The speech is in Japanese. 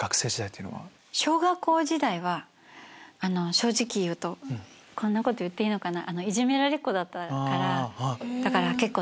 正直言うとこんなこと言っていいのかな？